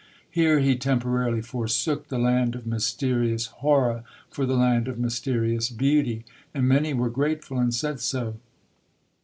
Here he temporarily forsook the land of mysterious horror for the land of mysterious beauty, and many were grateful, and said so.